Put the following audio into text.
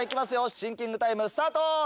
シンキングタイムスタート！